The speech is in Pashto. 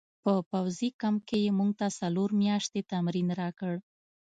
په پوځي کمپ کې یې موږ ته څلور میاشتې تمرین راکړ